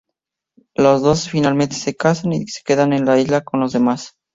Los dos finalmente se casan y se quedan en la isla con los demás.